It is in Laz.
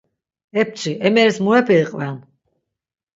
Epçi, emeris murepe iqven?